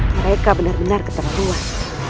mereka benar benar ketakuan